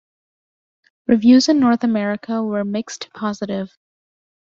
Reviews in North America were mixed to positive.